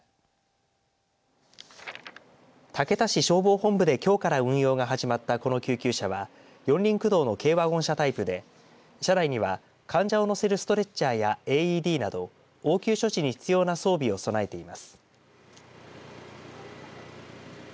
消防本部できょうから運用が始まったこの救急車は四輪駆動の軽ワゴン車タイプで車内には、患者を乗せるストレッチャーやＡＥＤなど応急処置に必要な装備を備えています。